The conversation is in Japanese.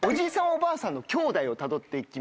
おばあさんのきょうだいをたどって行きます。